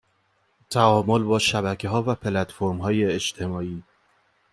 تعامل با شبکهها و پلتفرمهای اجتماعی